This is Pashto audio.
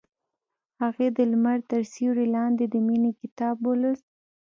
هغې د لمر تر سیوري لاندې د مینې کتاب ولوست.